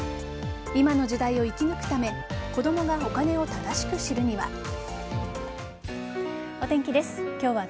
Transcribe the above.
今の時代を生き抜くため子供がお金を正しく知るには。